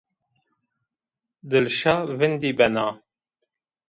Dilşa vîndî bena.